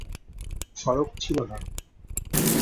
সড়ক ছিল না।